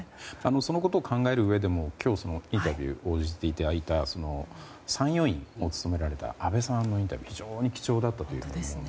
そのことを考えるうえでも今日インタビューに応じていただいた参与員を務められた阿部さんのインタビューは非常に貴重でしたね。